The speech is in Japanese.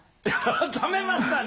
ためましたね！